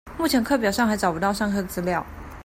目前課表還找不到上課資料